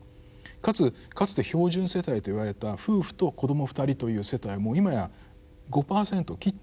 かつかつて標準世帯と言われた夫婦と子ども２人という世帯も今や５％を切ってるわけですね。